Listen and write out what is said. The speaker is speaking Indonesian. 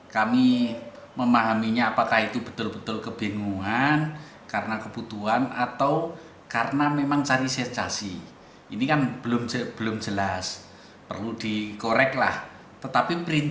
kepada petugas enik mengaku nekat mencapai dua ratus juta rupiah karena kalah main judi online dan tertipu investasi bodong